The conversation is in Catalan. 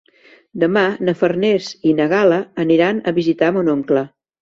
Demà na Farners i na Gal·la aniran a visitar mon oncle.